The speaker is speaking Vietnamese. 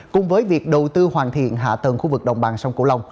cùng với việc đầu tư hoàn thiện hạ tầng khu vực đồng bằng sông cổ lông